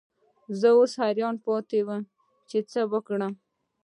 زه اوس حیران پاتې وم چې څه وکړم.